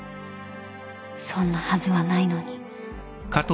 ［そんなはずはないのに］